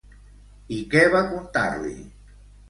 I què va contar-li?